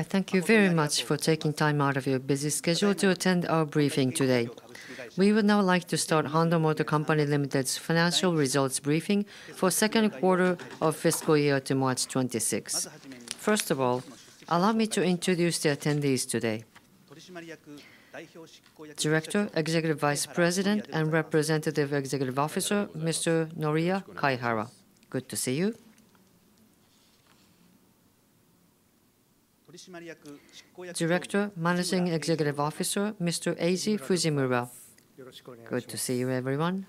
I thank you very much for taking time out of your busy schedule to attend our briefing today. We would now like to start Honda Motor Co., Ltd.'s financial results briefing for the second quarter of fiscal year ending March 2026. First of all, allow me to introduce the attendees today: Director, Executive Vice President, and Representative Executive Officer, Mr. Noriya Kaihara. Good to see you. Director, Managing Executive Officer, Mr. Eiji Fujimura. Good to see you, everyone.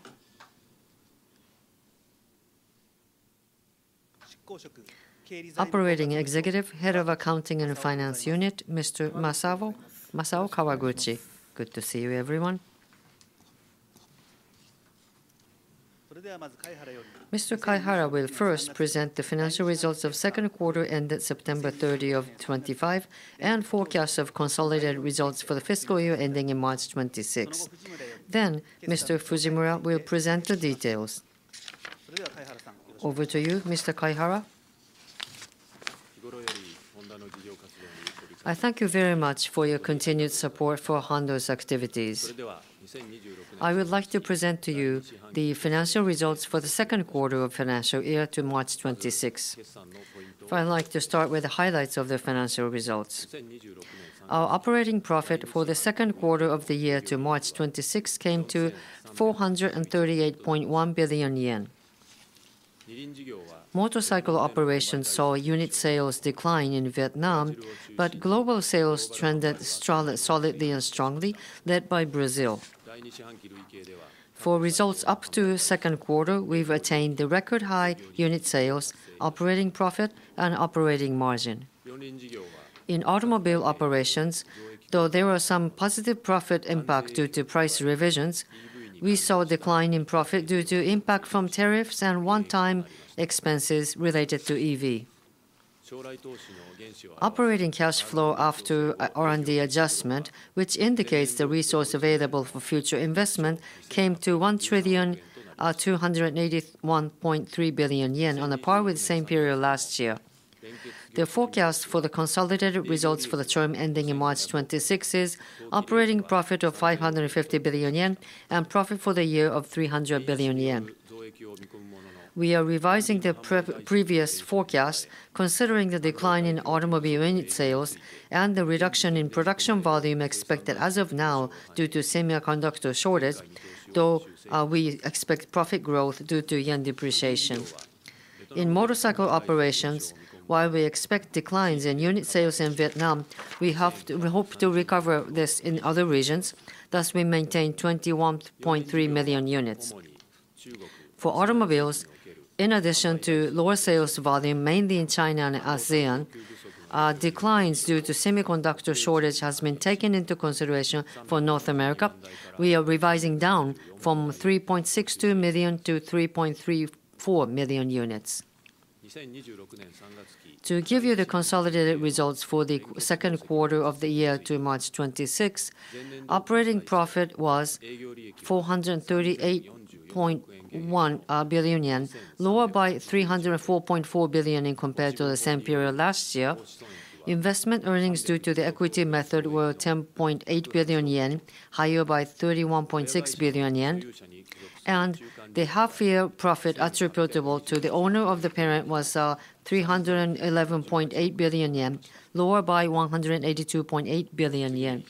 Operating Executive, Head of Accounting and Finance Unit, Mr. Masao Kawaguchi. Good to see you, everyone. Mr. Kaihara will first present the financial results of the second quarter ended September 30, 2025, and forecasts of consolidated results for the fiscal year ending March 2026. Then, Mr. Fujimura will present the details. Over to you, Mr. Kaihara. I thank you very much for your continued support for Honda's activities. I would like to present to you the financial results for the second quarter of the financial year to March 2026. I'd like to start with the highlights of the financial results. Our operating profit for the second quarter of the year to March 2026 came to 438.1 billion yen. Motorcycle operations saw unit sales decline in Vietnam, but global sales trended solidly and strongly, led by Brazil. For results up to the second quarter, we've attained the record high unit sales, operating profit, and operating margin. In automobile operations, though there was some positive profit impact due to price revisions, we saw a decline in profit due to impact from tariffs and one-time expenses related to EV. Operating cash flow after R&D adjustment, which indicates the resource available for future investment, came to 1,281.3 billion yen on a par with the same period last year. The forecast for the consolidated results for the term ending in March 2026 is operating profit of 550 billion yen and profit for the year of 300 billion yen. We are revising the previous forecast considering the decline in automobile unit sales and the reduction in production volume expected as of now due to semiconductor shortage, though we expect profit growth due to yen depreciation. In motorcycle operations, while we expect declines in unit sales in Vietnam, we hope to recover this in other regions. Thus, we maintain 21.3 million units. For automobiles, in addition to lower sales volume mainly in China and ASEAN, declines due to semiconductor shortage have been taken into consideration for North America. We are revising down from 3.62 million to 3.34 million units. To give you the consolidated results for the second quarter of the year to March 2026, operating profit was 438.1 billion yen, lower by 304.4 billion yen compared to the same period last year. Investment earnings due to the equity method were 10.8 billion yen, higher by 31.6 billion yen, and the half-year profit attributable to the owner of the parent was 311.8 billion yen, lower by 182.8 billion yen.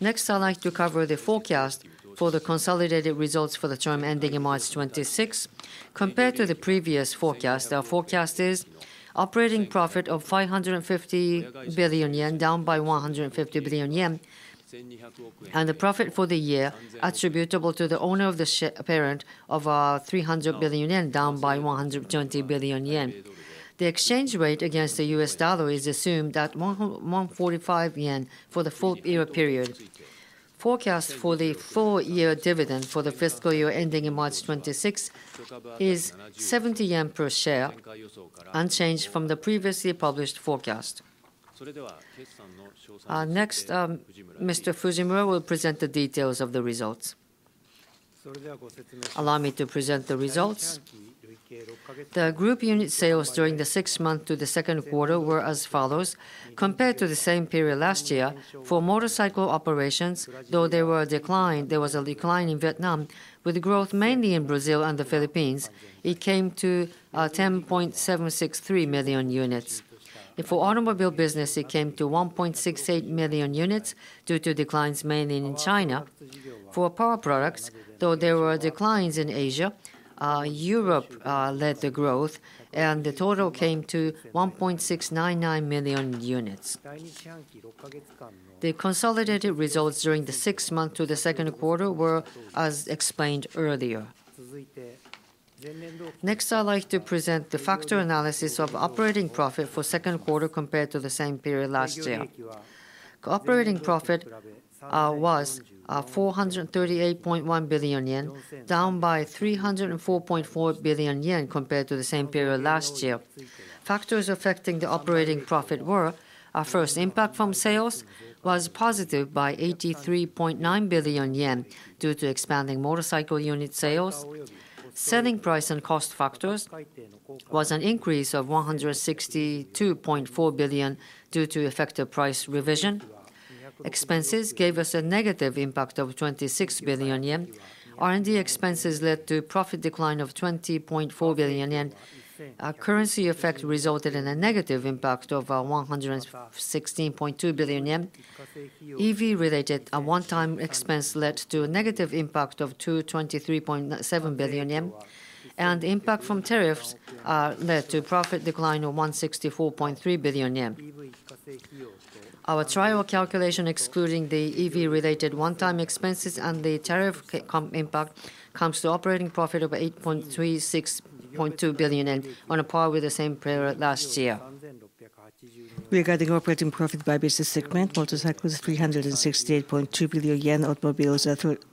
Next, I'd like to cover the forecast for the consolidated results for the term ending in March 2026. Compared to the previous forecast, our forecast is operating profit of 550 billion yen, down by 150 billion yen, and the profit for the year attributable to the owner of the parent of 300 billion yen, down by 120 billion yen. The exchange rate against the U.S. dollar is assumed at 145 yen for the full-year period. Forecast for the full-year dividend for the fiscal year ending in March 2026 is 70 yen per share, unchanged from the previously published forecast. Next, Mr. Fujimura will present the details of the results. Allow me to present the results. The group unit sales during the six months to the second quarter were as follows. Compared to the same period last year, for motorcycle operations, though there was a decline in Vietnam, with growth mainly in Brazil and the Philippines, it came to 10.763 million. For automobile business, it came to 1.68 million due to declines mainly in China. For power products, though there were declines in Asia, Europe led the growth, and the total came to 1.699 million. The consolidated results during the six months to the second quarter were as explained earlier. Next, I'd like to present the factor analysis of operating profit for the second quarter compared to the same period last year. Operating profit was 438.1 billion yen, down by 304.4 billion yen compared to the same period last year. Factors affecting the operating profit were: first, impact from sales was positive by 83.9 billion yen due to expanding motorcycle unit sales. Selling price and cost factors were an increase of 162.4 billion due to effective price revision. Expenses gave us a negative impact of 26 billion yen. R&D expenses led to a profit decline of 20.4 billion yen. Currency effect resulted in a negative impact of 116.2 billion yen. EV-related one-time expense led to a negative impact of 223.7 billion yen, and impact from tariffs led to a profit decline of 164.3 billion yen. Our trial calculation, excluding the EV-related one-time expenses and the tariff impact, comes to operating profit of 836.2 billion, on a par with the same period last year. We are getting operating profit by business segment: motorcycles 368.2 billion yen, automobiles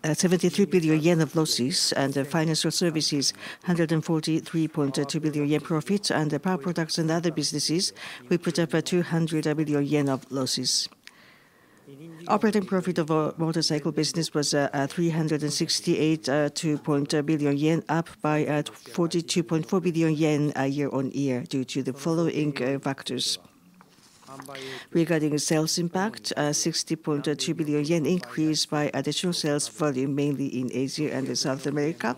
73 billion yen of losses, and financial services 143.2 billion yen profits, and power products and other businesses we put up 200 billion yen of losses. Operating profit of our motorcycle business was 368.2 billion yen, up by 42.4 billion yen year on year due to the following factors. Regarding sales impact, 60.2 billion yen increase by additional sales volume mainly in Asia and South America.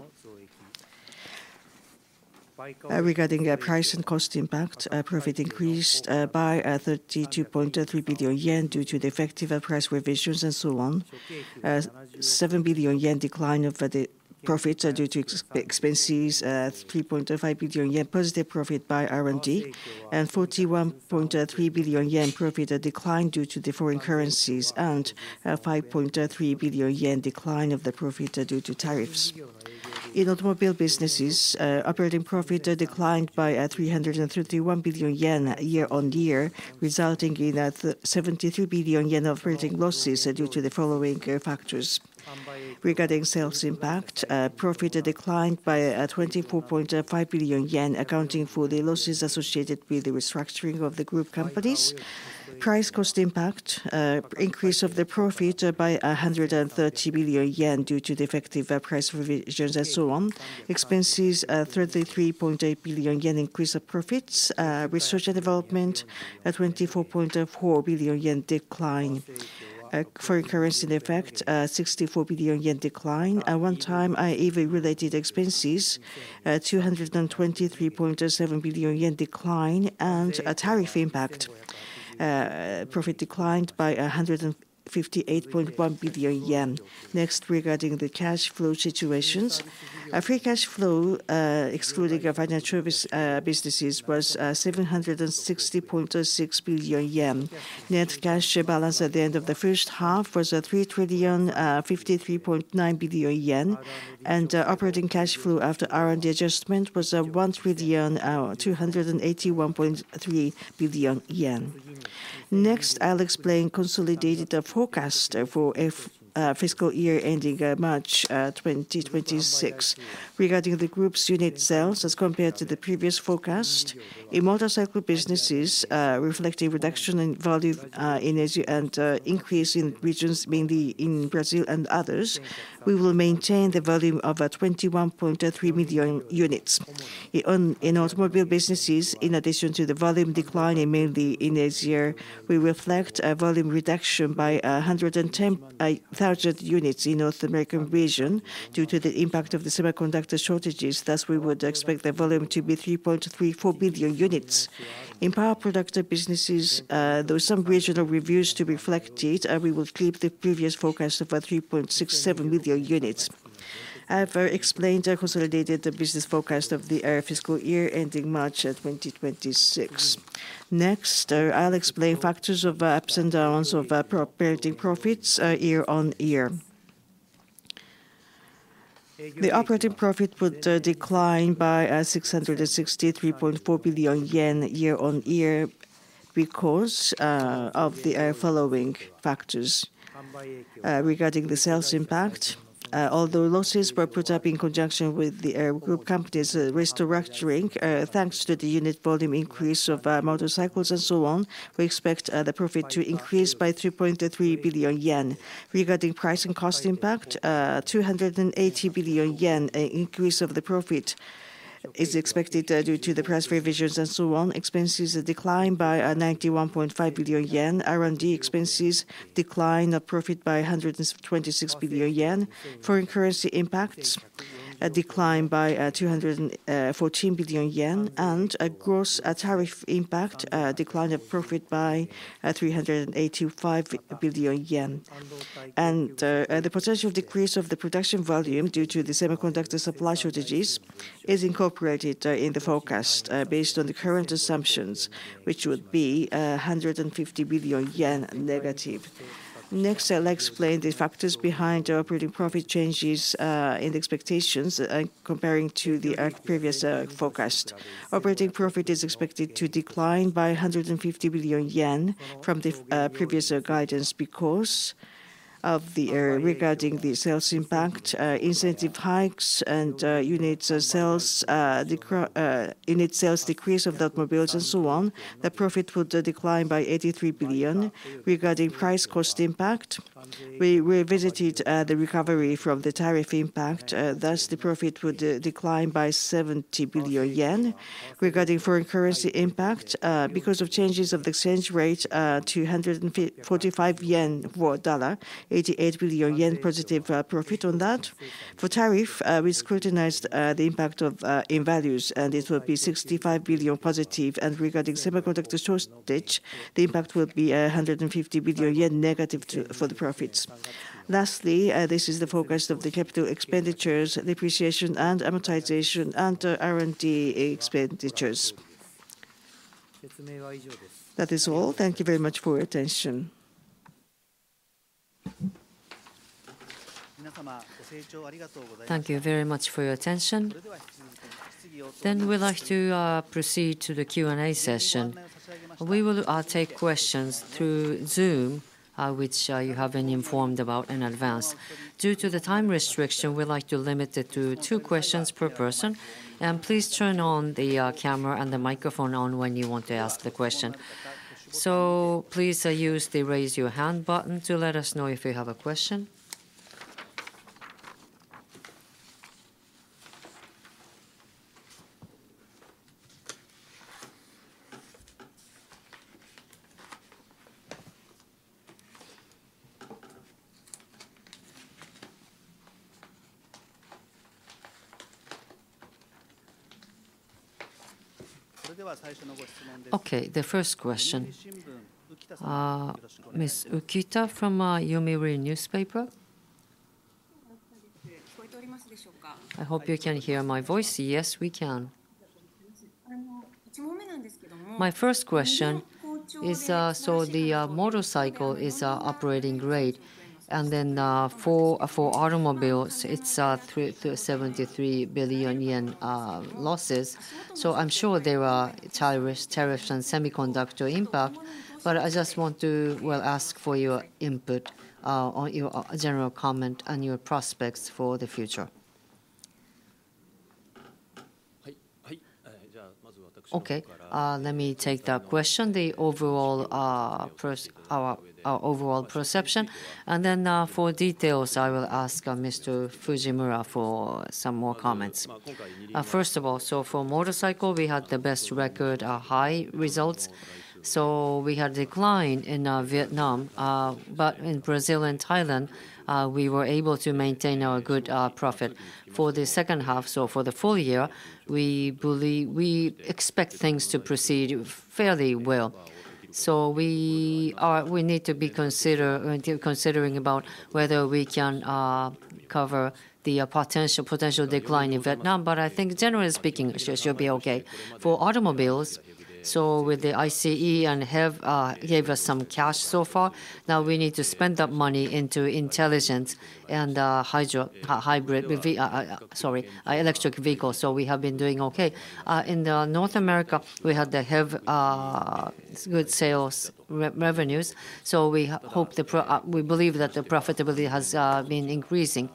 Regarding price and cost impact, profit increased by 32.3 billion yen due to the effective price revisions and so on. 7 billion decline of the profits due to expenses, 3.5 billion yen positive profit by R&D, and 41.3 billion yen profit decline due to the foreign currencies, and 5.3 billion yen decline of the profit due to tariffs. In automobile businesses, operating profit declined by 331 billion yen year on year, resulting in 73 billion yen operating losses due to the following factors. Regarding sales impact, profit declined by 24.5 billion yen, accounting for the losses associated with the restructuring of the group companies. Price-cost impact, increase of the profit by 130 billion yen due to the effective price revisions and so on. Expenses, 33.8 billion yen increase of profits. Research and development, 24.4 billion yen decline. Foreign currency effect, 64 billion yen decline. One time EV-related expenses, 223.7 billion yen decline, and tariff impact. Profit declined by 158.1 billion yen. Next, regarding the cash flow situations, free cash flow, excluding financial businesses, was 760.6 billion yen. Net cash balance at the end of the first half was 3,053.9 billion yen, and operating cash flow after R&D adjustment was 1,281.3 billion yen. Next, I'll explain the consolidated forecast for fiscal year ending March 2026. Regarding the group's unit sales as compared to the previous forecast, in motorcycle businesses, reflecting reduction in volume in Asia and increase in regions mainly in Brazil and others, we will maintain the volume of 21.3 million units. In automobile businesses, in addition to the volume decline mainly in Asia, we reflect a volume reduction by 110,000 units in the North America region due to the impact of the semiconductor shortages. Thus, we would expect the volume to be 3.34 million units. In power product businesses, though some regional reviews to be reflected, we will keep the previous forecast of 3.67 million units. I've explained the consolidated business forecast of the fiscal year ending March 2026. Next, I'll explain factors of ups and downs of operating profits year on year. The operating profit would decline by 663.4 billion yen year on year because of the following factors. Regarding the sales impact, although losses were put up in conjunction with the group companies' restructuring, thanks to the unit volume increase of motorcycles and so on, we expect the profit to increase by 3.3 billion yen. Regarding price and cost impact, 280 billion yen increase of the profit is expected due to the price revisions and so on. Expenses decline by 91.5 billion yen. R&D expenses decline of profit by JPY 126 billion. Foreign currency impacts decline by 214 billion yen, and gross tariff impact decline of profit by 385 billion yen, and the potential decrease of the production volume due to the semiconductor supply shortages is incorporated in the forecast based on the current assumptions, which would be 150 billion yen negative. Next, I'll explain the factors behind operating profit changes in expectations comparing to the previous forecast. Operating profit is expected to decline by 150 billion yen from the previous guidance because of, regarding the sales impact, incentive hikes, and unit sales decrease of the automobiles and so on, the profit would decline by 83 billion. Regarding price-cost impact, we revisited the recovery from the tariff impact. Thus, the profit would decline by 70 billion yen. Regarding foreign currency impact, because of changes of the exchange rate to 145 yen for a dollar, 88 billion yen positive profit on that. For tariff, we scrutinized the impact in values, and it would be 65 billion positive. And regarding semiconductor shortage, the impact would be 150 billion yen negative for the profits. Lastly, this is the focus of the capital expenditures, depreciation, amortization, and R&D expenditures. That is all. Thank you very much for your attention. Thank you very much for your attention. Then we'd like to proceed to the Q&A session. We will take questions through Zoom, which you have been informed about in advance. Due to the time restriction, we'd like to limit it to two questions per person. And please turn on the camera and the microphone on when you want to ask the question. So please use the raise your hand button to let us know if you have a question. Okay, the first question, Ms. Ukita from The Yomiuri Shimbun. I hope you can hear my voice. Yes, we can. My first question is, so the motorcycle is operating rate, and then for automobiles, it's 73 billion yen losses. So I'm sure there are tariffs and semiconductor impact, but I just want to ask for your input on your general comment and your prospects for the future. Okay, let me take that question, the overall perception. And then for details, I will ask Mr. Fujimura for some more comments. First of all, so for motorcycle, we had the best record high results. So we had a decline in Vietnam, but in Brazil and Thailand, we were able to maintain our good profit. For the second half, so for the full year, we expect things to proceed fairly well. So we need to be considering about whether we can cover the potential decline in Vietnam, but I think generally speaking, it should be okay. For automobiles, so with the ICE and HEV, gave us some cash so far. Now we need to spend that money into intelligent and hybrid, sorry, electric vehicles. So we have been doing okay. In North America, we had good HEV sales revenues, so we hope we believe that the profitability has been increasing,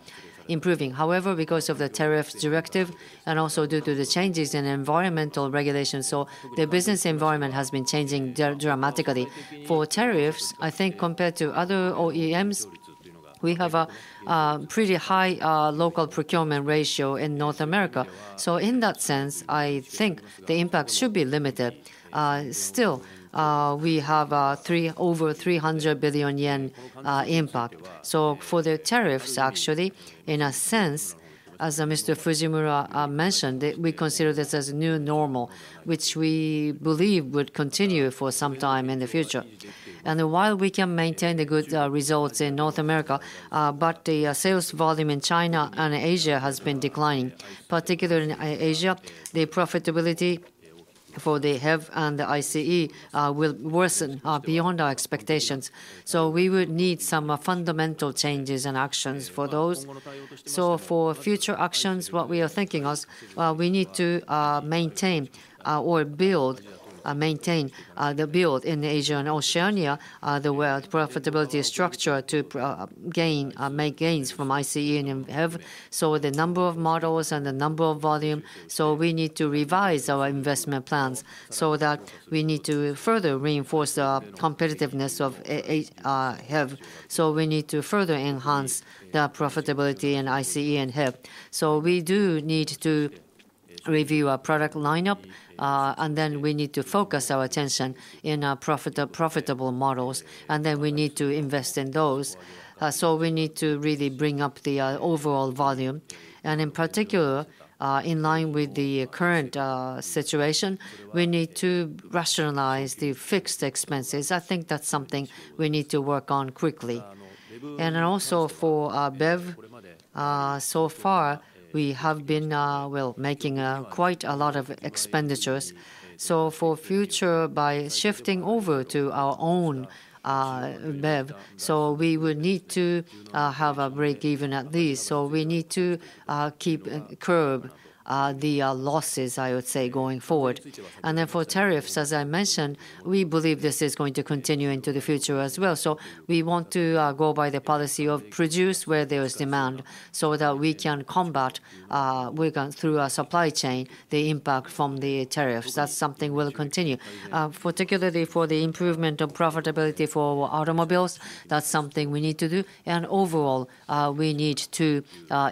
improving. However, because of the tariff directive and also due to the changes in environmental regulations, so the business environment has been changing dramatically. For tariffs, I think compared to other OEMs, we have a pretty high local procurement ratio in North America. So in that sense, I think the impact should be limited. Still, we have over 300 billion yen impact. So for the tariffs, actually, in a sense, as Mr. Fujimura mentioned, we consider this as a new normal, which we believe would continue for some time in the future. While we can maintain the good results in North America, the sales volume in China and Asia has been declining. Particularly in Asia, the profitability for the HEV and the ICE will worsen beyond our expectations. So we would need some fundamental changes and actions for those. So for future actions, what we are thinking is we need to maintain or build, maintain the build in Asia and Oceania, the profitability structure to make gains from ICE and HEV. So the number of models and volume, so we need to revise our investment plans so that we need to further reinforce the competitiveness of HEV. So we need to further enhance the profitability in ICE and HEV. So we do need to review our product lineup, and then we need to focus our attention in profitable models, and then we need to invest in those. So we need to really bring up the overall volume. And in particular, in line with the current situation, we need to rationalize the fixed expenses. I think that's something we need to work on quickly. And also for BEV, so far, we have been making quite a lot of expenditures. So for future, by shifting over to our own BEV, so we would need to have a break even at least. So we need to curb the losses, I would say, going forward. And then for tariffs, as I mentioned, we believe this is going to continue into the future as well. So we want to go by the policy of produce where there is demand so that we can combat, through our supply chain, the impact from the tariffs. That's something we'll continue, particularly for the improvement of profitability for automobiles. That's something we need to do. And overall, we need to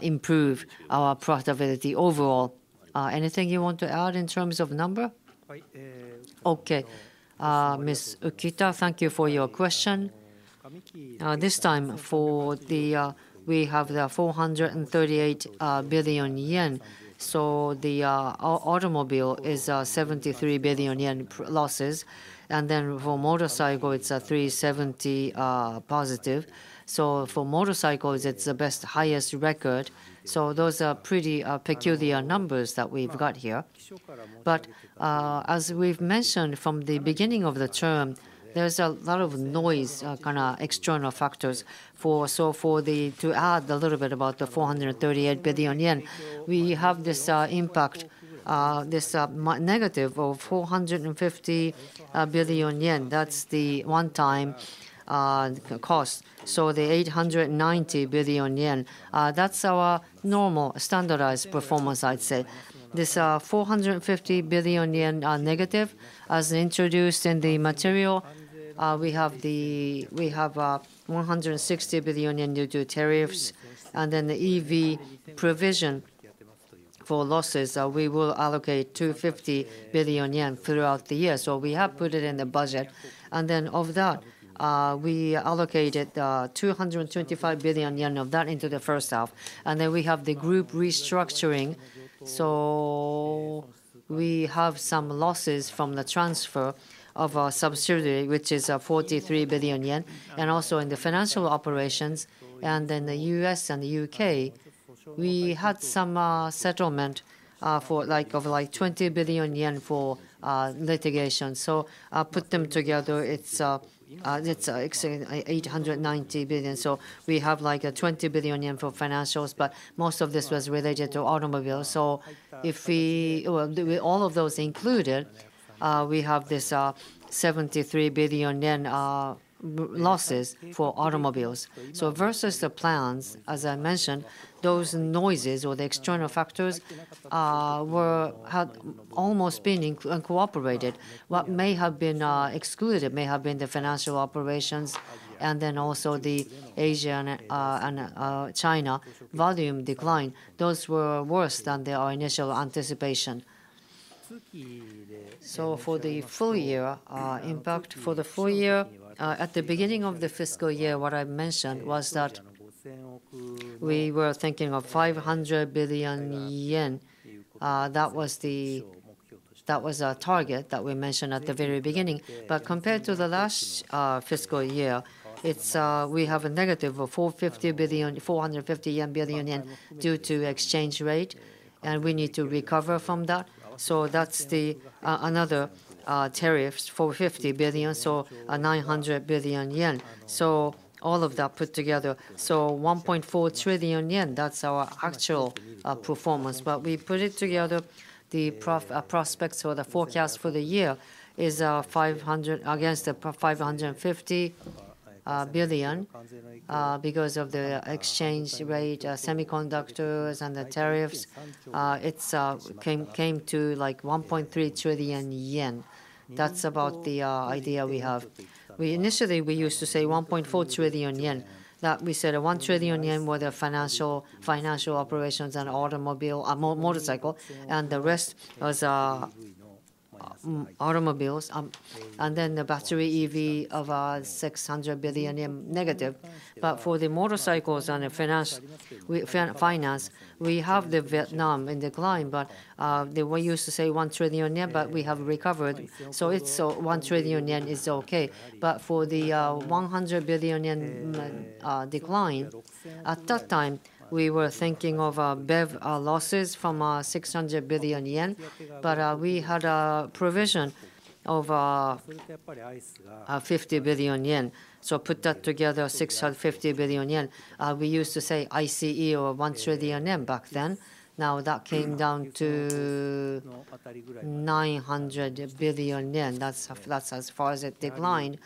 improve our profitability overall. Anything you want to add in terms of number? Okay, Ms. Ukita, thank you for your question. This time, for the we have the 438 billion yen, so the automobile is 73 billion yen losses, and then for motorcycle, it's a 370 positive, so for motorcycles, it's the best highest record. So those are pretty peculiar numbers that we've got here, but as we've mentioned from the beginning of the term, there's a lot of noise, kind of external factors, so for the to add a little bit about the 438 billion yen, we have this impact, this negative of 450 billion yen. That's the one-time cost, so the 890 billion yen, that's our normal standardized performance, I'd say. This 450 billion yen negative, as introduced in the material, we have 160 billion yen due to tariffs, and then the EV provision for losses, we will allocate 250 billion yen throughout the year. We have put it in the budget. And then of that, we allocated 225 billion yen of that into the first half. And then we have the group restructuring. We have some losses from the transfer of our subsidiary, which is 43 billion yen. And also in the financial operations, and then the U.S. and the U.K., we had some settlement for like of like 20 billion yen for litigation. I put them together, it's 890 billion. We have like 20 billion yen for financials, but most of this was related to automobiles. If we all of those included, we have this 73 billion yen losses for automobiles. Versus the plans, as I mentioned, those noises or the external factors were had almost been cooperated. What may have been excluded may have been the financial operations, and then also the Asia and China volume decline. Those were worse than their initial anticipation. So for the full year impact, for the full year, at the beginning of the fiscal year, what I mentioned was that we were thinking of 500 billion yen. That was our target that we mentioned at the very beginning. But compared to the last fiscal year, we have a negative of 450 billion due to exchange rate, and we need to recover from that. So that's another tariffs, 450 billion, so 900 billion yen. So all of that put together, so 1.4 trillion yen, that's our actual performance. But we put it together, the prospects or the forecast for the year is 500 against the 550 billion because of the exchange rate, semiconductors, and the tariffs. It came to like 1.3 trillion yen. That's about the idea we have. We initially used to say 1.4 trillion yen. That we said 1 trillion yen were the financial operations and automobile motorcycle, and the rest was automobiles. Then the battery EV of 600 billion negative. But for the motorcycles and the finance, we have Vietnam in decline, but we used to say 1 trillion yen, but we have recovered. It's 1 trillion yen is okay. But for the 100 billion yen decline, at that time, we were thinking of BEV losses from 600 billion yen, but we had a provision of 50 billion yen. Put that together, 650 billion yen. We used to say ICE or 1 trillion yen back then. Now that came down to 900 billion yen. That's as far as it declined.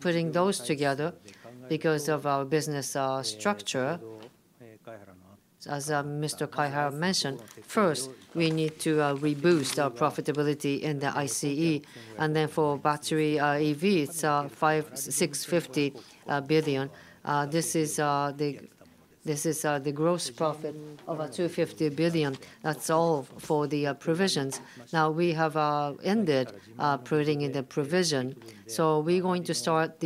Putting those together, because of our business structure, as Mr. Kaihara mentioned, first, we need to reboost our profitability in the ICE. Then for battery EV, it's 650 billion. This is the gross profit of 250 billion. That's all for the provisions. Now we have ended putting in the provision. So we're going to start.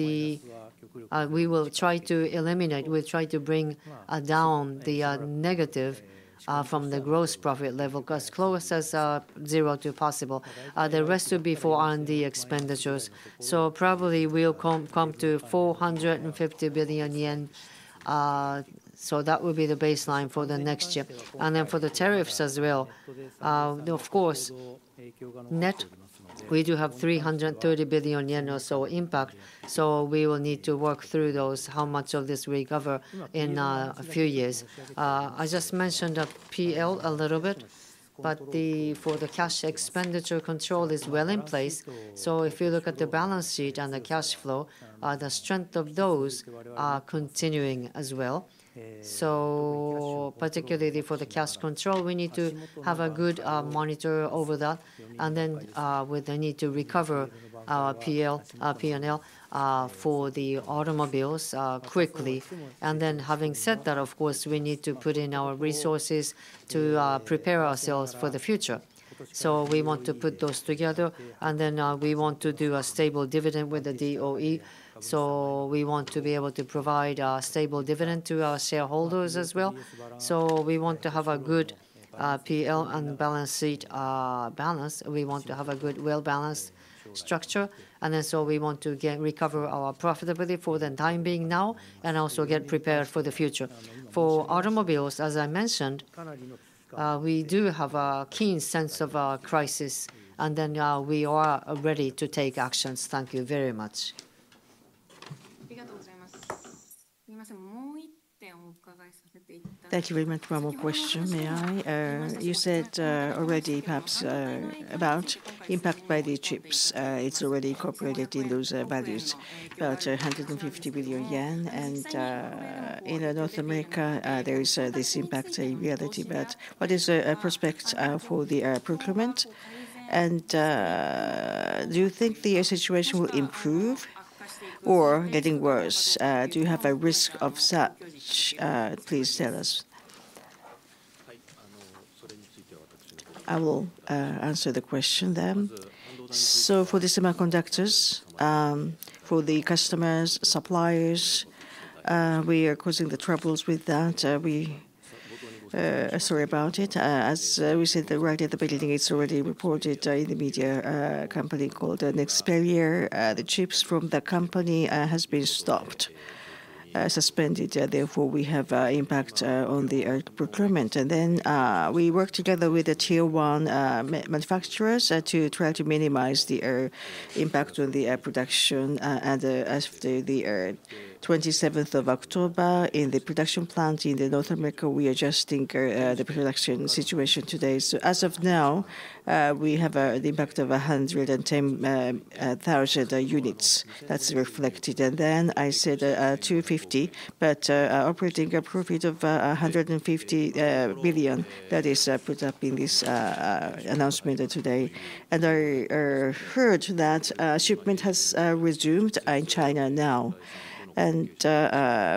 We will try to eliminate. We'll try to bring down the negative from the gross profit level, as close to zero as possible. The rest would be for R&D expenditures. So probably we'll come to 450 billion yen. So that would be the baseline for the next year. And then for the tariffs as well, of course, net. We do have 330 billion yen or so impact. So we will need to work through those, how much of this recover in a few years. I just mentioned the P&L a little bit, but for the cash expenditure control is well in place. So if you look at the balance sheet and the cash flow, the strength of those are continuing as well. So particularly for the cash control, we need to have a good monitor over that. And then we need to recover our PL, P&L for the automobiles quickly. And then having said that, of course, we need to put in our resources to prepare ourselves for the future. So we want to put those together. And then we want to do a stable dividend with the DOE. So we want to be able to provide a stable dividend to our shareholders as well. So we want to have a good PL and balance sheet balance. We want to have a good well-balanced structure. And then so we want to recover our profitability for the time being now and also get prepared for the future. For automobiles, as I mentioned, we do have a keen sense of crisis. And then we are ready to take actions. Thank you very much. Thank you very much. May I ask one more question? You said already perhaps about impact by the chips. It's already incorporated in those values, about 150 billion yen. And in North America, there is this impact in reality. But what is the prospect for the procurement? And do you think the situation will improve or getting worse? Do you have a risk of such? Please tell us. I will answer the question then. So for the semiconductors, for the customers, suppliers, we are causing the troubles with that. We are sorry about it. As we said right at the beginning, it's already reported in the media company called Nexperia. The chips from the company have been stopped, suspended. Therefore, we have impact on the procurement. And then we work together with the tier one manufacturers to try to minimize the impact on the production as of the 27th of October in the production plant in North America. We are just thinking the production situation today. So as of now, we have the impact of 110,000 units. That's reflected. And then I said 250, but operating profit of 150 billion. That is put up in this announcement today. And I heard that shipment has resumed in China now. And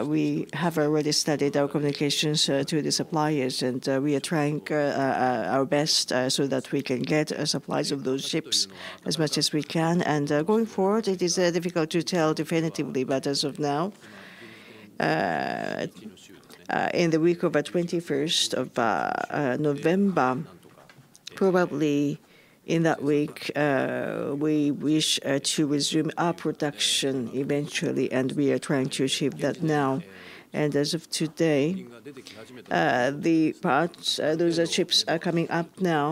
we have already studied our communications to the suppliers. And we are trying our best so that we can get supplies of those chips as much as we can. And going forward, it is difficult to tell definitively, but as of now, in the week of the 21st of November, probably in that week, we wish to resume our production eventually. We are trying to achieve that now. As of today, the parts, those chips are coming up now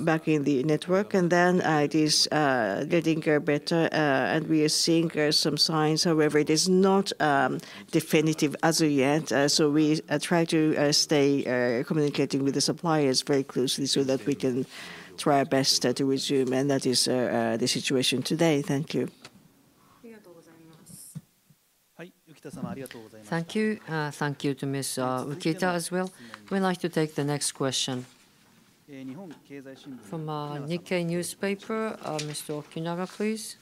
back in the network. It is getting better. We are seeing some signs. However, it is not definitive as of yet. We try to stay communicating with the suppliers very closely so that we can try our best to resume. That is the situation today. Thank you. Thank you so much. Thank you to Mr. Ukita as well. We'd like to take the next question from a Nikkei newspaper. Mr. Okunaga, please.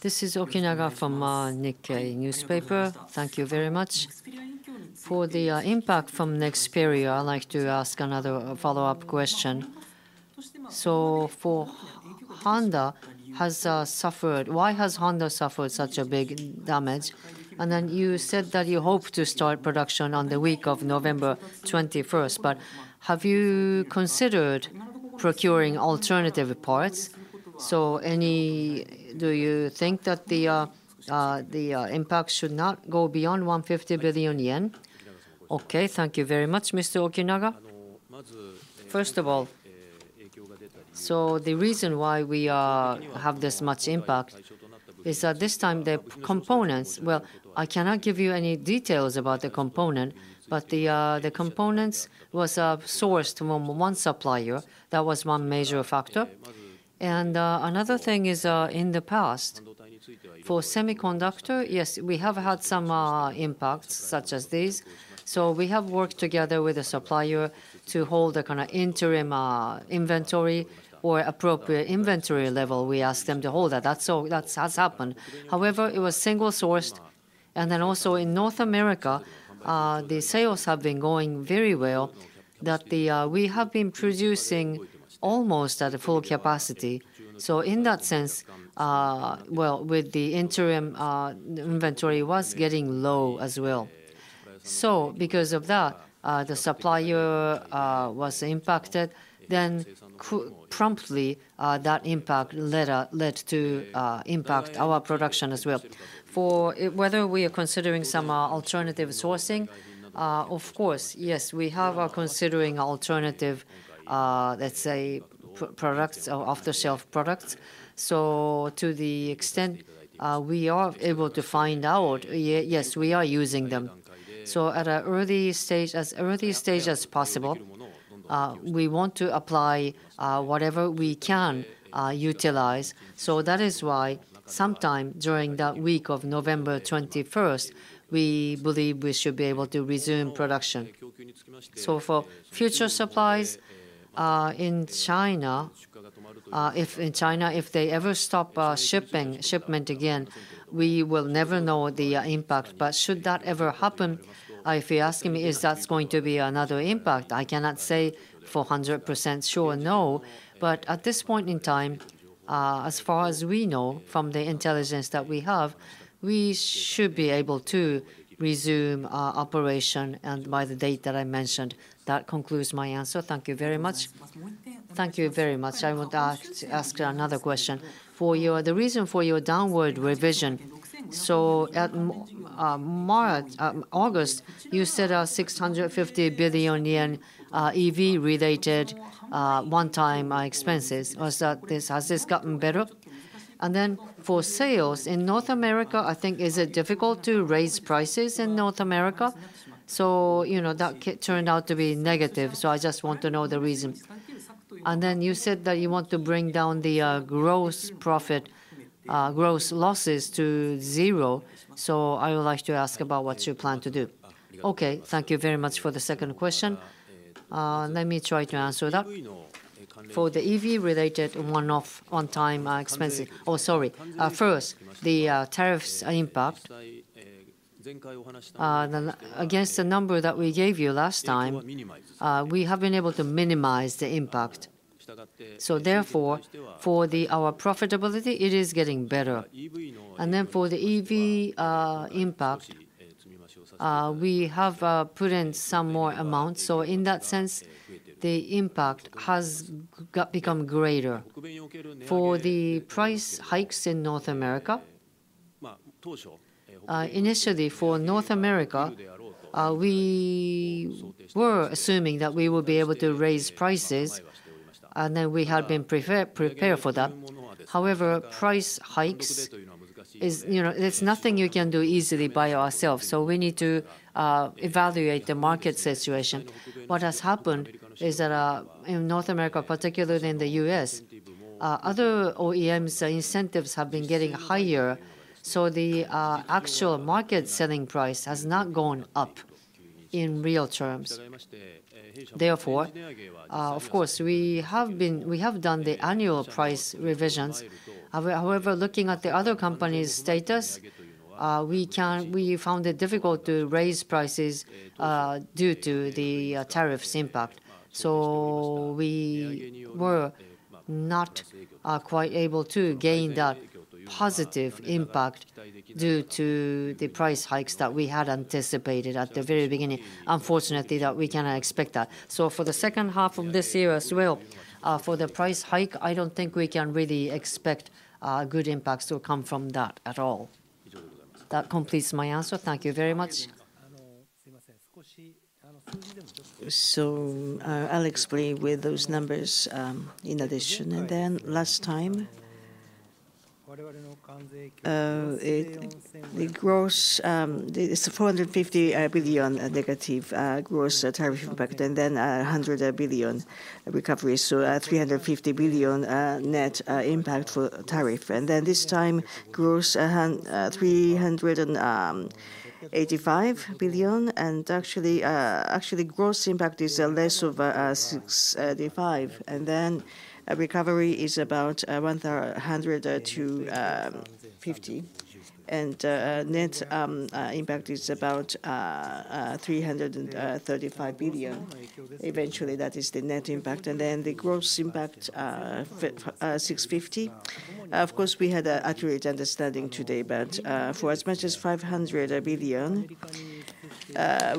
This is Okunaga from Nikkei newspaper. Thank you very much. For the impact from Nexperia, I'd like to ask another follow-up question. So, for Honda has suffered. Why has Honda suffered such a big damage? You said that you hope to start production on the week of November 21st. But have you considered procuring alternative parts? So do you think that the impact should not go beyond 150 billion yen? Okay, thank you very much, Mr. Okunaga. First of all, so the reason why we have this much impact is that this time the components, well, I cannot give you any details about the component, but the components were sourced from one supplier. That was one major factor. And another thing is in the past, for semiconductor, yes, we have had some impacts such as these. So we have worked together with a supplier to hold a kind of interim inventory or appropriate inventory level. We asked them to hold that. That has happened. However, it was single sourced. And then also in North America, the sales have been going very well that we have been producing almost at a full capacity. In that sense, with the in-transit inventory, it was getting low as well. Because of that, the supplier was impacted. Then promptly, that impact led to impact our production as well. For whether we are considering some alternative sourcing, of course, yes, we have considering alternative, let's say, products or off-the-shelf products. To the extent we are able to find out, yes, we are using them. At an early stage, as early stage as possible, we want to apply whatever we can utilize. That is why sometime during that week of November 21st, we believe we should be able to resume production. For future supplies in China, if in China, if they ever stop shipping shipment again, we will never know the impact. But should that ever happen, if you're asking me, is that going to be another impact? I cannot say for 100% sure or no. But at this point in time, as far as we know from the intelligence that we have, we should be able to resume operation. And by the date that I mentioned, that concludes my answer. Thank you very much. Thank you very much. I want to ask another question. For the reason for your downward revision. So at August, you said 650 billion yen EV-related one-time expenses. Has this gotten better? And then for sales in North America, I think, is it difficult to raise prices in North America? So you know that turned out to be negative. So I just want to know the reason. And then you said that you want to bring down the gross profit, gross losses to zero. So I would like to ask about what you plan to do? Okay, thank you very much for the second question. Let me try to answer that. For the EV-related one-off one-time expenses. Oh, sorry. First, the tariffs impact. Against the number that we gave you last time, we have been able to minimize the impact. So therefore, for our profitability, it is getting better. And then for the EV impact, we have put in some more amounts. So in that sense, the impact has become greater for the price hikes in North America. Initially, for North America, we were assuming that we would be able to raise prices. And then we had been prepared for that. However, price hikes, there's nothing you can do easily by yourself. So we need to evaluate the market situation. What has happened is that in North America, particularly in the US, other OEMs' incentives have been getting higher. The actual market selling price has not gone up in real terms. Therefore, of course, we have done the annual price revisions. However, looking at the other companies' status, we found it difficult to raise prices due to the tariffs impact. We were not quite able to gain that positive impact due to the price hikes that we had anticipated at the very beginning. Unfortunately, we cannot expect that. For the second half of this year as well, for the price hike, I don't think we can really expect good impacts to come from that at all. That completes my answer. Thank you very much. I'll explain with those numbers in addition. Then last time, the gross. It's 450 billion negative gross tariff impact. Then 100 billion recovery. So 350 billion net impact for tariff. This time, gross 385 billion. Actually, gross impact is less of 65. Recovery is about 100 to 50. Net impact is about 335 billion. Eventually, that is the net impact. The gross impact, 650. Of course, we had an accurate understanding today. For as much as 500 billion,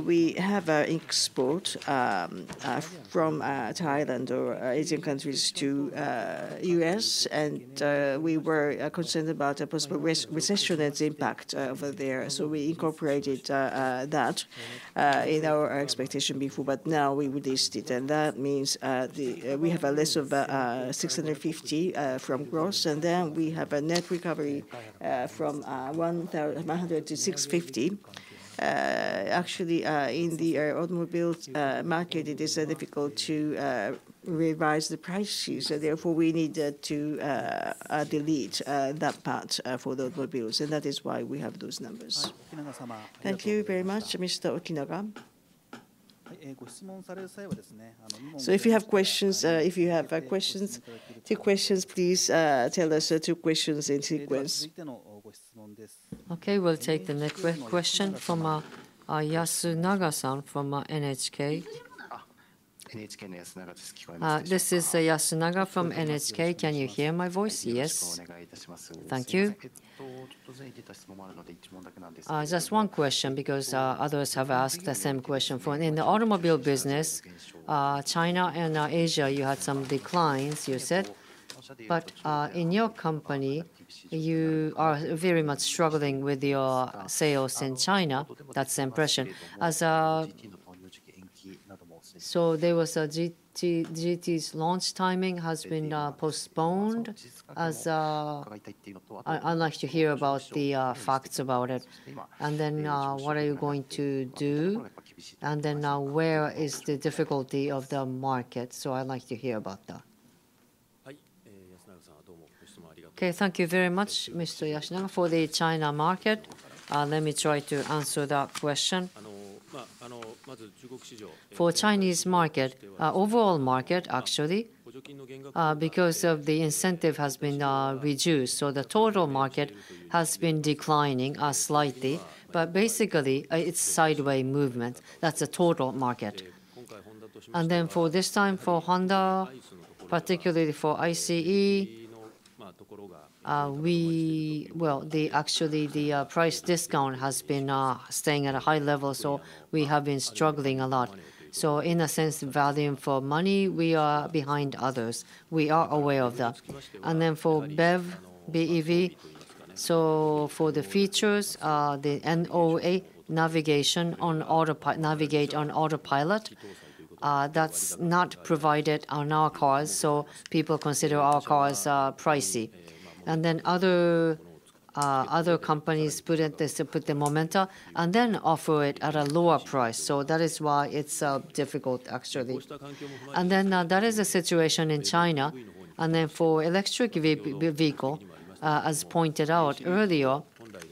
we have export from Thailand or Asian countries to the U.S. We were concerned about a possible recession as impact over there. We incorporated that in our expectation before. Now we released it. That means we have a less of 650 from gross. We have a net recovery from 100 to 650. Actually, in the automobile market, it is difficult to revise the prices. Therefore, we need to delete that part for the automobiles. That is why we have those numbers. Thank you very much, Mr. Okunaga. So if you have questions, if you have questions, two questions, please tell us two questions in sequence. Okay, we'll take the next question from Yasunaga-san from NHK. This is Yasunaga from NHK. Can you hear my voice? Yes. Thank you. Just one question because others have asked the same question. In the automobile business, China and Asia, you had some declines, you said. But in your company, you are very much struggling with your sales in China. That's the impression. So there was a Ye GT's launch timing has been postponed. I'd like to hear about the facts about it. And then what are you going to do? And then where is the difficulty of the market? So I'd like to hear about that. Okay, thank you very much, Mr. Yasunaga, for the China market. Let me try to answer that question. For the Chinese market, overall market, actually, because the incentive has been reduced. So the total market has been declining slightly. But basically, it's sideways movement. That's the total market. And then for this time, for Honda, particularly for ICE, well, actually, the price discount has been staying at a high level. So we have been struggling a lot. So in a sense, value for money, we are behind others. We are aware of that. And then for BEV, BEV, so for the features, the NOA navigation on autopilot, that's not provided on our cars. So people consider our cars pricey. And then other companies put in this, put the Momenta, and then offer it at a lower price. So that is why it's difficult, actually. And then that is the situation in China. For electric vehicles, as pointed out earlier,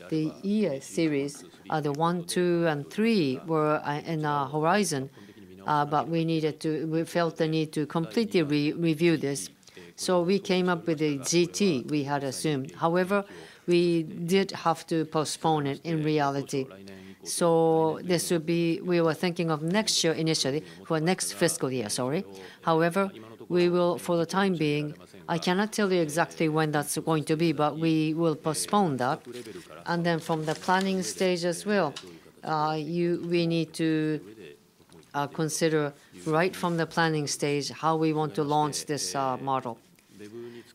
the Ye Series — the 1, 2, and 3 — were in our horizon. But we felt the need to completely review this. So we came up with a Ye GT we had assumed. However, we did have to postpone it in reality. So this would be, we were thinking of next year initially for next fiscal year, sorry. However, we will, for the time being, I cannot tell you exactly when that's going to be, but we will postpone that. And then from the planning stage as well, we need to consider right from the planning stage how we want to launch this model.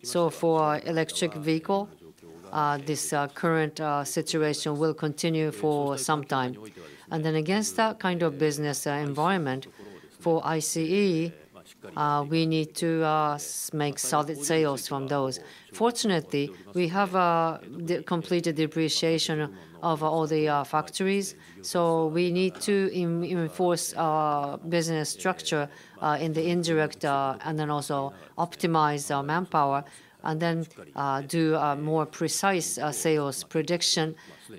So for electric vehicle, this current situation will continue for some time. And then against that kind of business environment, for ICE, we need to make solid sales from those. Fortunately, we have completed depreciation of all the factories. So we need to enforce our business structure in the industry and then also optimize our manpower and then do a more precise sales prediction.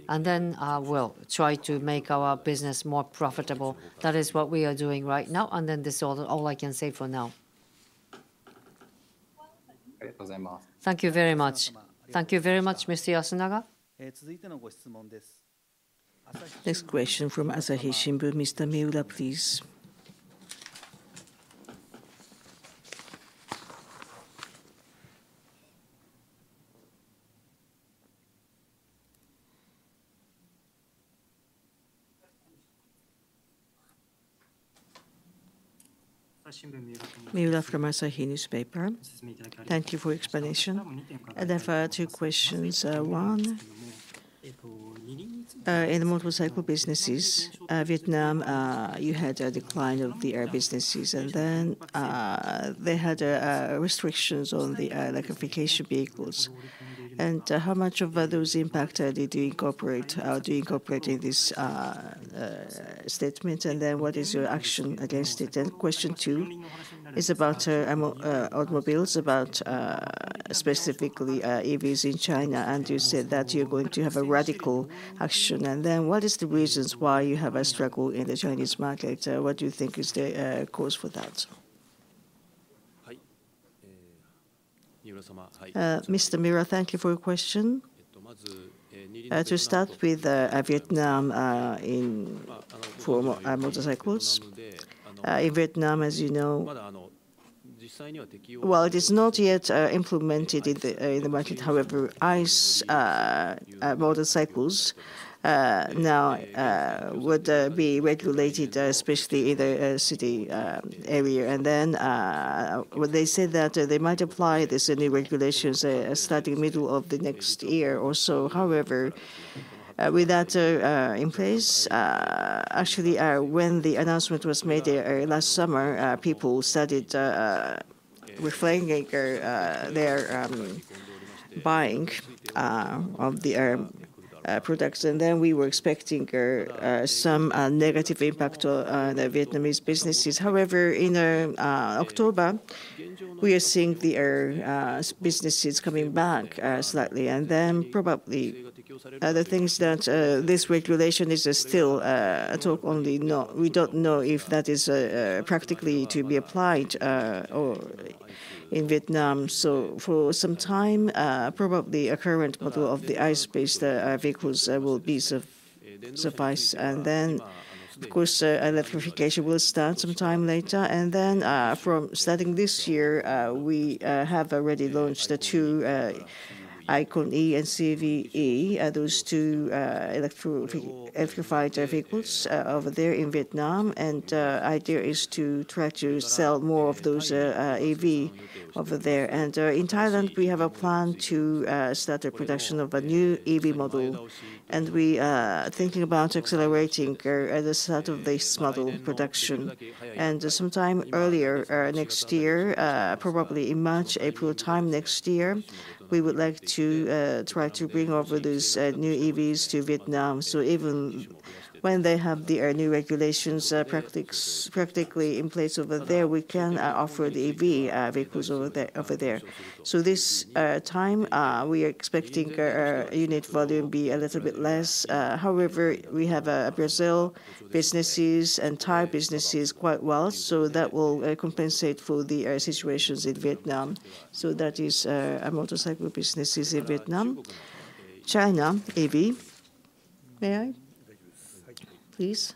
And then we'll try to make our business more profitable. That is what we are doing right now. And then this is all I can say for now. Thank you very much. Thank you very much, Mr. Yasunaga. Next question from Asahi Shimbun, Mr. Miura, please. Miura from Asahi Shimbun. Thank you for your explanation. And then for our two questions. One, in the motorcycle businesses, Vietnam, you had a decline of the entire business. And then they had restrictions on the electric vehicles. And how much of those impacts did you incorporate? Do you incorporate in this statement? And then what is your action against it? Question two is about automobiles, about specifically EVs in China. And you said that you're going to have a radical action. And then what is the reasons why you have a struggle in the Chinese market? What do you think is the cause for that? Mr. Miura, thank you for your question. To start with Vietnam in motorcycles, in Vietnam, as you know, well, it is not yet implemented in the market. However, ICE motorcycles now would be regulated, especially in the city area. And then they said that they might apply these new regulations starting middle of the next year or so. However, with that in place, actually, when the announcement was made last summer, people started reflecting their buying of the ICE products. And then we were expecting some negative impact on the Vietnamese businesses. However, in October, we are seeing the ICE businesses coming back slightly. Then probably the things that this regulation is still a talk. Only we don't know if that is practically to be applied in Vietnam. So for some time, probably a current model of the ICE-based vehicles will be sufficed. And then, of course, electrification will start some time later. And then from starting this year, we have already launched the two ICON e: and CUV e:, those two electrified vehicles over there in Vietnam. And the idea is to try to sell more of those EVs over there. And in Thailand, we have a plan to start the production of a new EV model. And we are thinking about accelerating the start of this model production. And sometime earlier next year, probably in March, April time next year, we would like to try to bring over those new EVs to Vietnam. So even when they have their new regulations practically in place over there, we can offer the EV vehicles over there. So this time, we are expecting unit volume to be a little bit less. However, we have Brazil businesses and Thai businesses quite well. So that will compensate for the situations in Vietnam. So that is motorcycle businesses in Vietnam. China EV, may I? Please.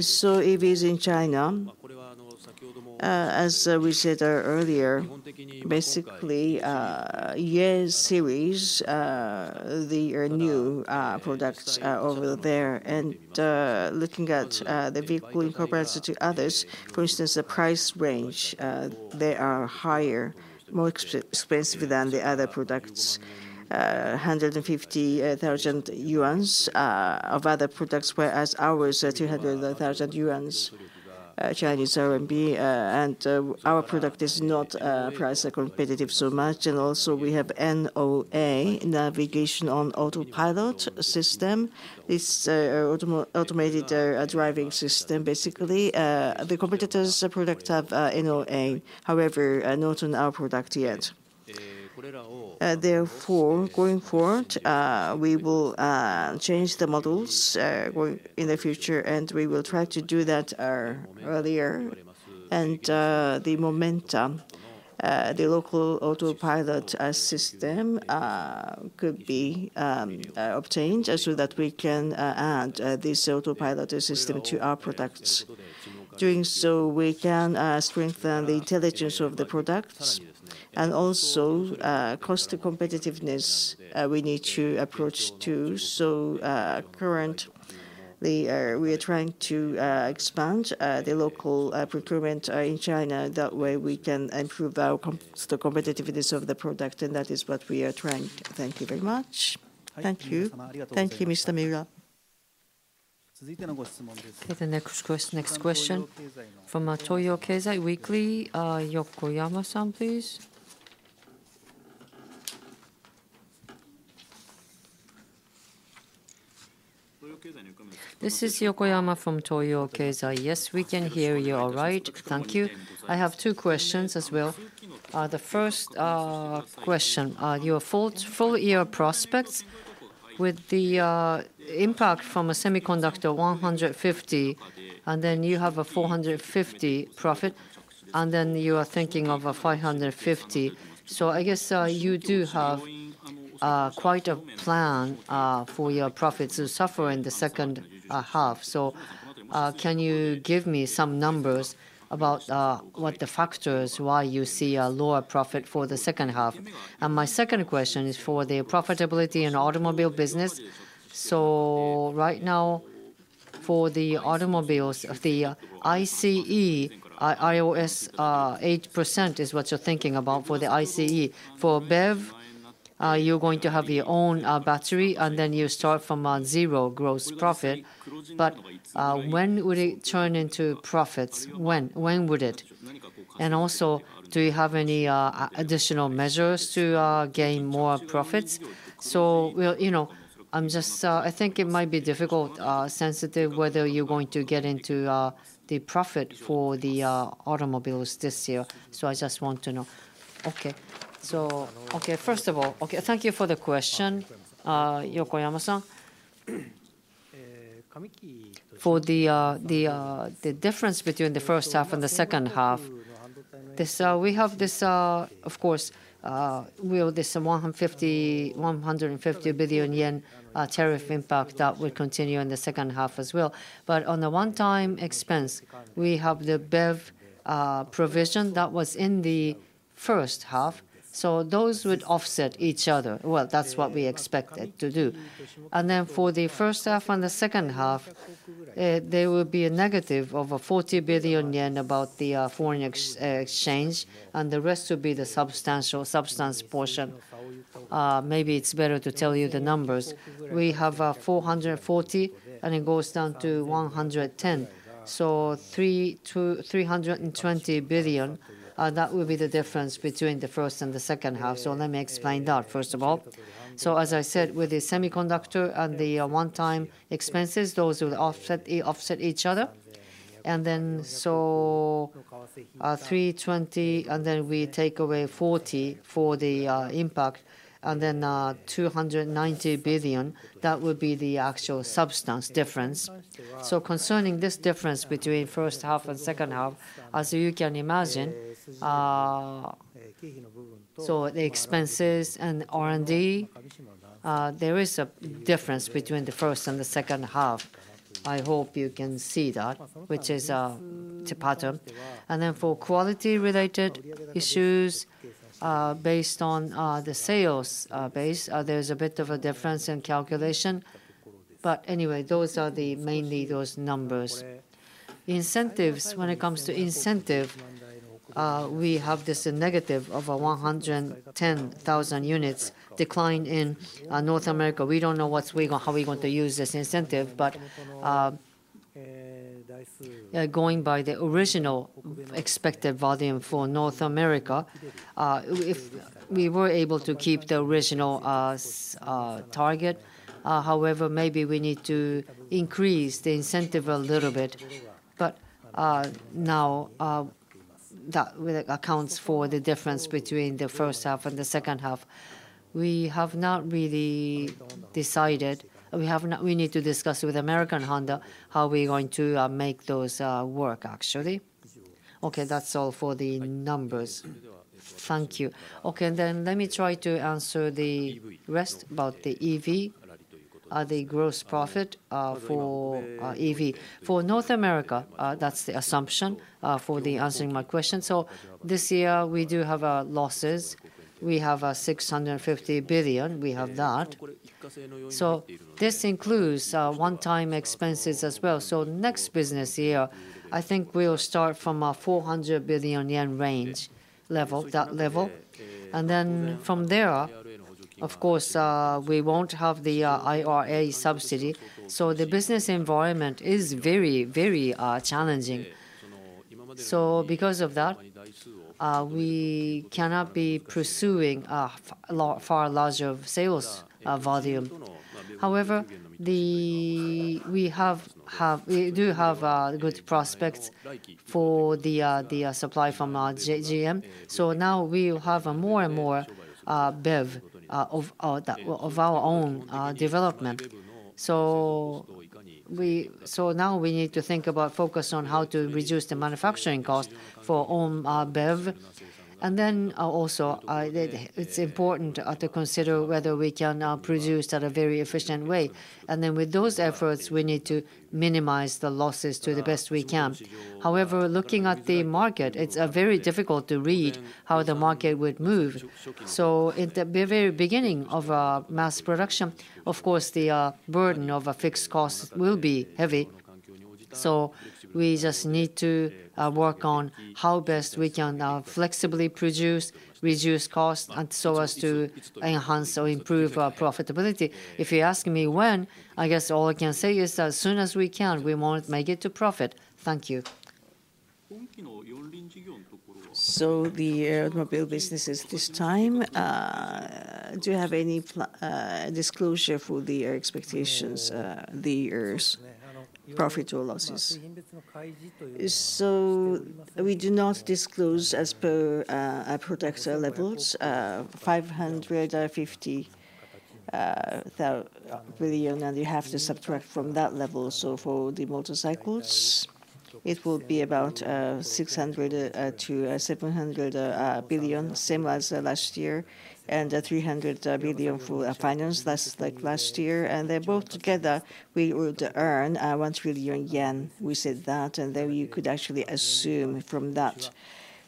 So EVs in China, as we said earlier, basically E series are the new products over there. And looking at the vehicle in comparison to others, for instance, the price range, they are higher, more expensive than the other products, 150,000 yuan of other products, whereas ours are 200,000 yuan Chinese RMB. And our product is not price competitive so much. And also we have NOA navigation on autopilot system. This automated driving system, basically. The competitors' products have NOA. However, not on our product yet. Therefore, going forward, we will change the models in the future and we will try to do that earlier. The Momenta, the local autopilot system, could be obtained so that we can add this autopilot system to our products. Doing so, we can strengthen the intelligence of the products. Also, cost competitiveness, we need to approach too. Currently, we are trying to expand the local procurement in China. That way, we can improve our cost competitiveness of the product. That is what we are trying. Thank you very much. Thank you. Thank you, Mr. Miura. Okay, then next question from Toyo Keizai Weekly, Yokoyama-san, please. This is Yokoyama from Toyo Keizai. Yes, we can hear you all right. Thank you. I have two questions as well. The first question is about your full year prospects with the impact from a semiconductor 150, and then you have a 450 profit, and then you are thinking of a 550. I guess you do have quite a plan for your profits to suffer in the second half. Can you give me some numbers about what the factors are as to why you see a lower profit for the second half? My second question is for the profitability in automobile business. Right now, for the automobiles of the ICE, is 8% what you're thinking about for the ICE. For BEV, you're going to have your own battery, and then you start from zero gross profit. But when would it turn into profits? When would it? Also, do you have any additional measures to gain more profits? So I'm just, I think it might be difficult, sensitive whether you're going to get into the profit for the automobiles this year. So I just want to know. Okay. So okay, first of all, okay, thank you for the question, Yokoyama-san. For the difference between the first half and the second half, we have this, of course, we have this 150 billion yen tariff impact that will continue in the second half as well. But on the one-time expense, we have the BEV provision that was in the first half. So those would offset each other. Well, that's what we expected to do. And then for the first half and the second half, there will be a negative of 40 billion yen about the foreign exchange. And the rest will be the substantial substance portion. Maybe it's better to tell you the numbers. We have 440, and it goes down to 110. So 320 billion, that will be the difference between the first and the second half. So let me explain that, first of all. So as I said, with the semiconductor and the one-time expenses, those will offset each other. And then so 320 billion, and then we take away 40 billion for the impact. And then 290 billion, that would be the actual substance difference. So concerning this difference between first half and second half, as you can imagine, so the expenses and R&D, there is a difference between the first and the second half. I hope you can see that, which is a pattern. And then for quality-related issues, based on the sales base, there's a bit of a difference in calculation. But anyway, those are mainly those numbers. Incentives, when it comes to incentive, we have this negative of 110,000 units decline in North America. We don't know how we're going to use this incentive, but going by the original expected volume for North America, if we were able to keep the original target. However, maybe we need to increase the incentive a little bit. But now that accounts for the difference between the first half and the second half, we have not really decided. We need to discuss with American Honda how we're going to make those work, actually. Okay, that's all for the numbers. Thank you. Okay, and then let me try to answer the rest about the EV, the gross profit for EV. For North America, that's the assumption for answering my question. So this year, we do have losses. We have 650 billion. We have that. So this includes one-time expenses as well. Next business year, I think we'll start from a 400 billion yen range, that level. And then from there, of course, we won't have the IRA subsidy. So the business environment is very, very challenging. So because of that, we cannot be pursuing a far larger sales volume. However, we do have good prospects for the supply from GM. So now we will have more and more BEV of our own development. So now we need to think about focus on how to reduce the manufacturing cost for our own BEV. And then also, it's important to consider whether we can produce at a very efficient way. And then with those efforts, we need to minimize the losses to the best we can. However, looking at the market, it's very difficult to read how the market would move. So at the very beginning of mass production, of course, the burden of a fixed cost will be heavy. So we just need to work on how best we can flexibly produce, reduce costs so as to enhance or improve profitability. If you ask me when, I guess all I can say is as soon as we can, we won't make it to profit. Thank you. So the automobile businesses this time, do you have any disclosure for the expectations, the profit or losses? So we do not disclose as per product levels, 550 billion, and you have to subtract from that level. So for the motorcycles, it will be about 600-700 billion, same as last year, and 300 billion for finance, like last year. And they both together, we would earn 1 trillion yen. We said that. And then you could actually assume from that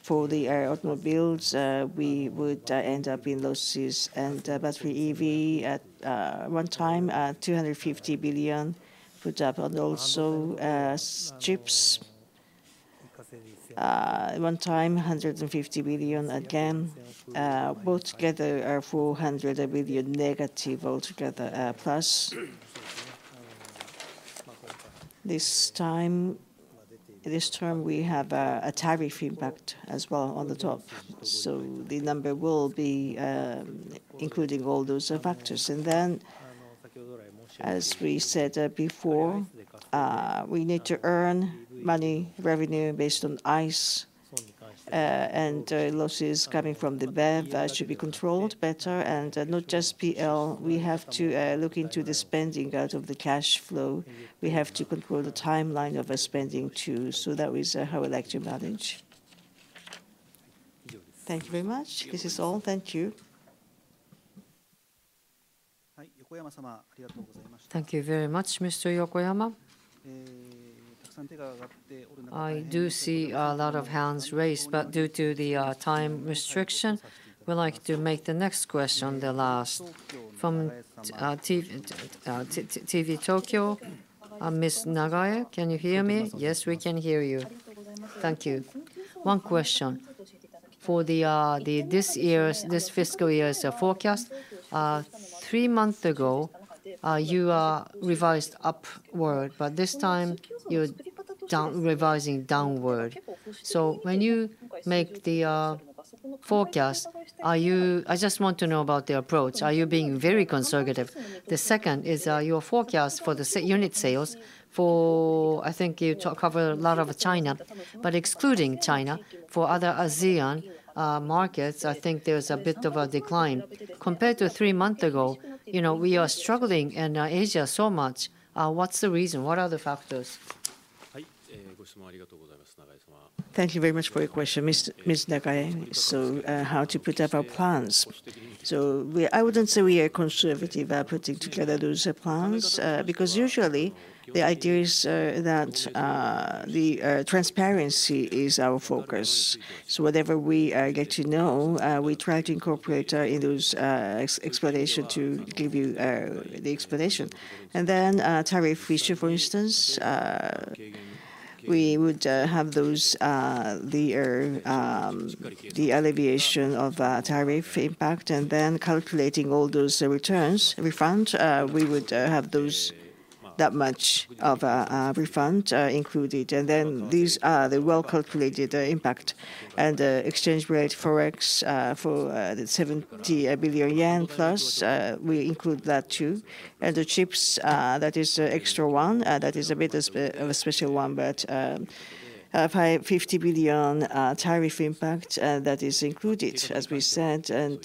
for the automobiles, we would end up in losses. And battery EV at one time, JPY 250 billion for that. And also chips, one time, 150 billion again. Both together are 400 billion negative altogether, plus. This time, this term, we have a tariff impact as well on the top. So the number will be including all those factors. And then, as we said before, we need to earn money, revenue based on ICE. And losses coming from the BEV should be controlled better. And not just P&L. We have to look into the spending out of the cash flow. We have to control the timeline of our spending too. So that is how I'd like to manage. Thank you very much. This is all. Thank you. Thank you very much, Mr. Yokoyama. I do see a lot of hands raised, but due to the time restriction, we'd like to make the next question the last. From TV Tokyo, Ms. Nagai, can you hear me? Yes, we can hear you. Thank you. One question. For this fiscal year's forecast, three months ago, you revised upward, but this time, you're revising downward. So when you make the forecast, I just want to know about the approach. Are you being very conservative? The second is your forecast for the unit sales for, I think you cover a lot of China, but excluding China, for other ASEAN markets, I think there's a bit of a decline. Compared to three months ago, we are struggling in Asia so much. What's the reason? What are the factors? Thank you very much for your question, Ms. Nagae. So how to put up our plans? So I wouldn't say we are conservative about putting together those plans because usually, the idea is that the transparency is our focus. So whatever we get to know, we try to incorporate in those explanations to give you the explanation. And then tariff issue, for instance, we would have those, the alleviation of tariff impact, and then calculating all those returns, refund, we would have that much of a refund included. And then these are the well-calculated impact and exchange rate forex for the 70 billion yen plus, we include that too. And the chips, that is an extra one, that is a bit of a special one, but 50 billion tariff impact that is included, as we said, and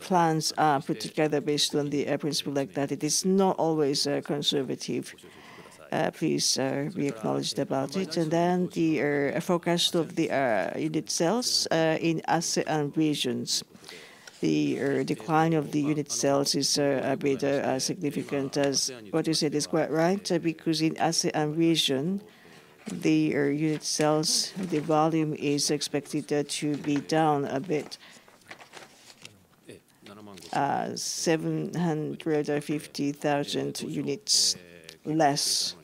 plans put together based on the principle that it is not always conservative. Please be acknowledged about it. And then the forecast of the unit sales in ASEAN regions. The decline of the unit sales is a bit significant, as what you said is quite right, because in ASEAN region, the unit sales, the volume is expected to be down a bit, 750,000 units less.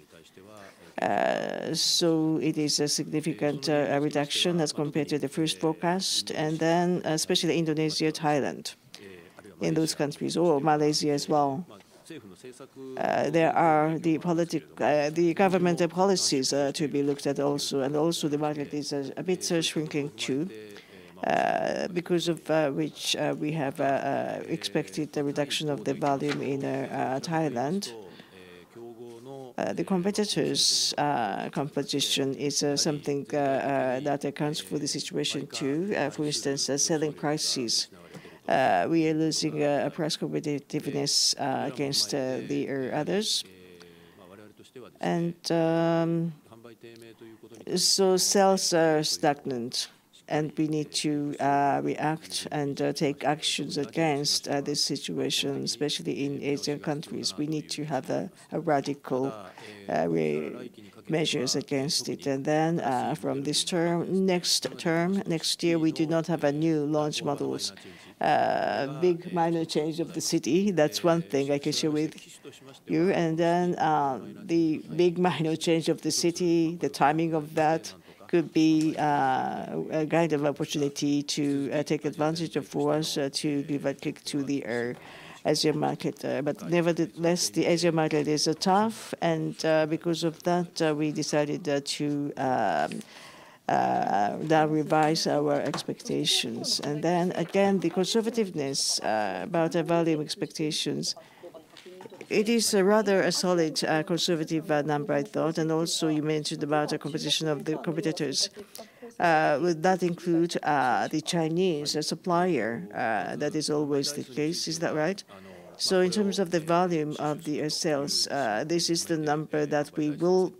So it is a significant reduction as compared to the first forecast, and then especially Indonesia, Thailand, in those countries, or Malaysia as well. There are the government policies to be looked at also, and also the market is a bit shrinking too, because of which we have expected the reduction of the volume in Thailand. The competitors' composition is something that accounts for the situation too. For instance, selling prices, we are losing price competitiveness against the others, and so sales are stagnant, and we need to react and take actions against this situation, especially in Asian countries. We need to have radical measures against it. And then from this term, next term, next year, we do not have a new launch model. Big minor change of the City, that's one thing I can share with you. And then the big minor change of the City, the timing of that could be a kind of opportunity to take advantage of for us to give a kick to the ASEAN market. But nevertheless, the ASEAN market is tough, and because of that, we decided to now revise our expectations. And then again, the conservativeness about the volume expectations, it is rather a solid conservative number, I thought. And also, you mentioned about the composition of the competitors. Would that include the Chinese supplier, That is always the case, is that right? So in terms of the volume of the sales, this is the number that we will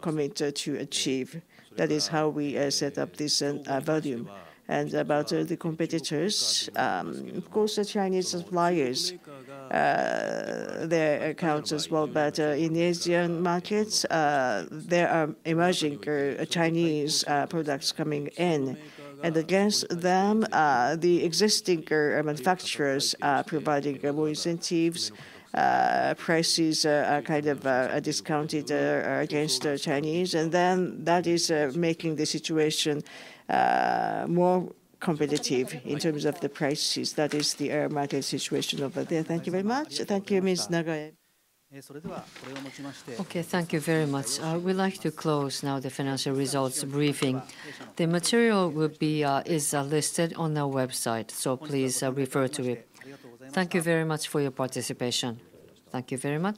commit to achieve. That is how we set up this volume. And about the competitors, of course, the Chinese suppliers, their accounts as well. But in the ASEAN markets, there are emerging Chinese products coming in. And against them, the existing manufacturers are providing more incentives, prices are kind of discounted against the Chinese. And then that is making the situation more competitive in terms of the prices. That is the market situation over there. Thank you very much. Thank you, Ms. Nagae. Okay, thank you very much. We'd like to close now the financial results briefing. The material is listed on our website, so please refer to it. Thank you very much for your participation. Thank you very much.